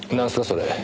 それ。